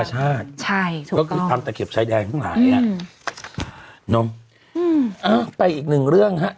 ใช่ถูกต้องก็คือทำแต่เก็บชัยแดงทั้งหลายอ่ะนมอ้าวไปอีกหนึ่งเรื่องฮะ